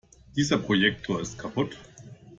Dieser Projektor ist kaputt.